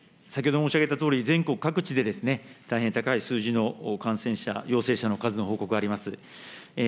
先ほど申し上げたとおり、全国各地で大変高い数字の感染者、陽性者の数の報告があります。